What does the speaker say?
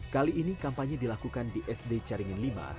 kali ini kampanye dilakukan di sd caringin v